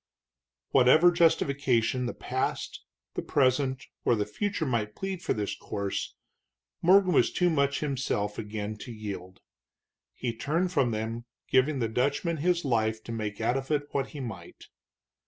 Whatever justification the past, the present, or the future might plead for this course, Morgan was too much himself again to yield. He turned from them, giving the Dutchman his life to make out of it what he might.